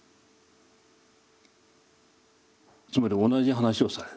つまり同じ話をされる。